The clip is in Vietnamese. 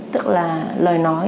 tức là lời nói